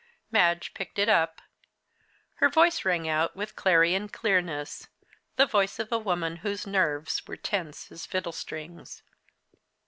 Madge picked it up. Her voice rang out with clarion clearness the voice of a woman whose nerves were tense as fiddle strings.